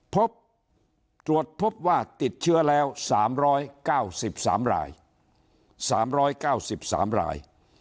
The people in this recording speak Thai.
พบตรวจพบว่าติดเชื้อแล้วสามร้อยเก้าสิบสามรายสามร้อยเก้าสิบสามราย